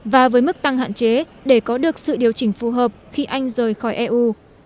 và với mức tăng hạn chế để có được sự điều chỉnh phù hợp khi anh rời khỏi eu